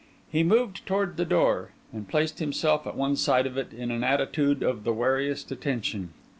He moved towards the door, and placed himself at one side of it in an attitude of the wariest attention.